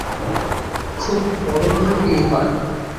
খুব বড় ঘরে বিয়ে হয়।